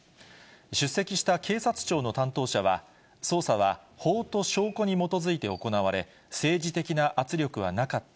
出席した警察庁の担当者は、捜査は法と証拠に基づいて行われ、政治的な圧力はなかった。